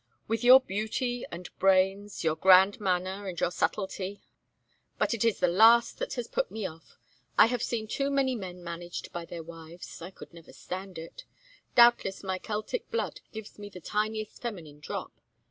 With your beauty, and brains, your grand manner, and your subtlety but it is the last that has put me off. I have seen too many men managed by their wives. I never could stand it. Doubtless my Celtic blood gives me the tiniest feminine drop.